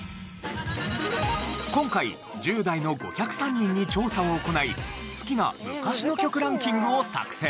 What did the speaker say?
今回１０代の５０３人に調査を行い好きな昔の曲ランキングを作成。